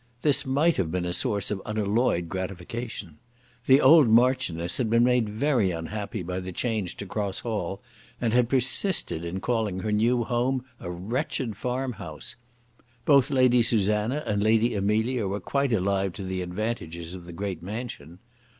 This might have been a source of unalloyed gratification. The old Marchioness had been made very unhappy by the change to Cross Hall, and had persisted in calling her new home a wretched farmhouse. Both Lady Susanna and Lady Amelia were quite alive to the advantages of the great mansion.